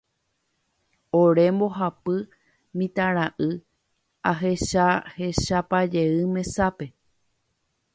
ore mbohapy mitãra'y ahechahechapajey mesápe.